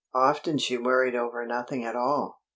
Often she worried over nothing at all.